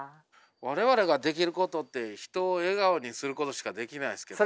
我々ができることって人を笑顔にすることしかできないですけど。